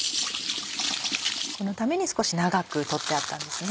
このために少し長く取ってあったんですね。